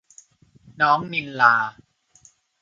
น้องณิลลา